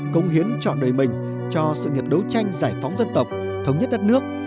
công hiến chọn đời mình cho sự nghiệp đấu tranh giải phóng dân tộc thống nhất đất nước